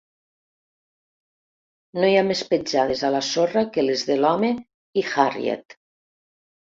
No hi ha més petjades a la sorra que les de l'home i Harriet.